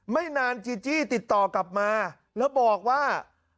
ไม่นานจีจี้ติดต่อกลับมาแล้วบอกว่า